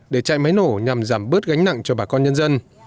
để chạy máy nổ nhằm giảm bớt gánh nặng cho bà con nhân dân